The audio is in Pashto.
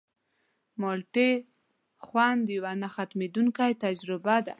مالټې د خوند یوه نه ختمېدونکې تجربه ده.